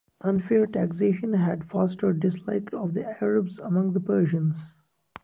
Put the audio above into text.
Unfair taxation had fostered dislike of the Arabs among the Persians.